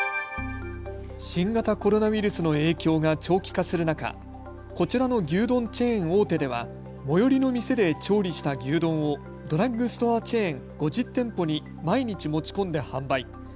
新型コロナウイルスの影響が長期化する中こちらの牛丼チェーン大手では最寄りの店で調理した牛丼をドラッグストアチェーン５０店舗に毎日持ち込んで販売。